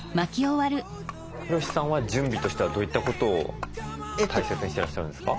ヒロシさんは準備としてはどういったことを大切にしてらっしゃるんですか？